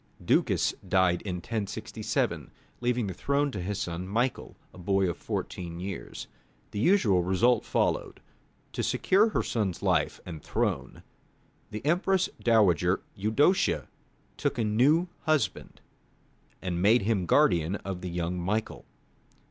Ducas died in 1067, leaving the throne to his son, Michael, a boy of fourteen years. The usual result followed. To secure her son's life and throne, the Empress dowager Eudocia took a new husband, and made him guardian of the young Michael.